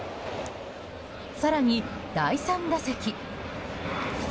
更に第３打席。